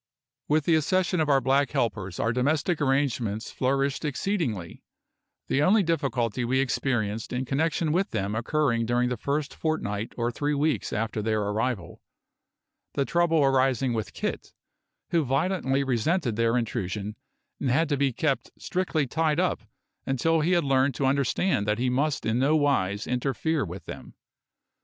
With the accession of our black helpers our domestic arrangements flourished exceedingly, the only difficulty we experienced in connection with them occurring during the first fortnight or three weeks after their arrival, the trouble arising with Kit, who violently resented their intrusion and had to be kept strictly tied up until he had learned to understand that he must in nowise interfere with them.